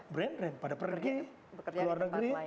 brain drain pada pergi ke luar negeri